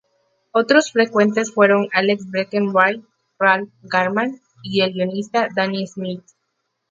Otros frecuentes fueron Alex Breckenridge, Ralph Garman y el guionista Danny Smith.